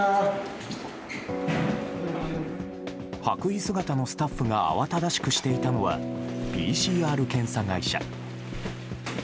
白衣姿のスタッフが慌ただしくしていたのはＰＣＲ検査会社。